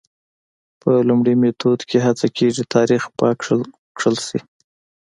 په لومړي میتود کې هڅه کېږي تاریخ پاک کښل شي.